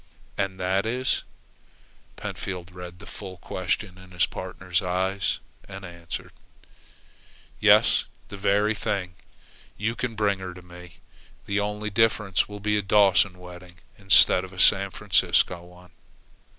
"And that is ?" Pentfield read the full question in his partner's eyes, and answered: "Yes, that very thing. You can bring her in to me. The only difference will be a Dawson wedding instead of a San Franciscan one."